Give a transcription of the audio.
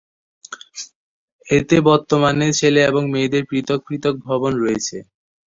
এতে বর্তমানে ছেলে এবং মেয়েদের পৃথক পৃথক ভবন রয়েছে।